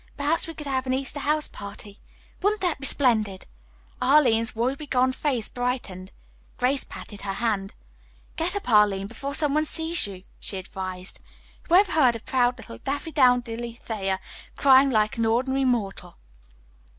Perhaps we could have an Easter house party. Wouldn't that be splendid?" Arline's woe be gone face brightened. Grace patted her hand. "Get up, Arline, before some one sees you," she advised. "Whoever heard of proud little Daffydowndilly Thayer crying like an ordinary mortal?"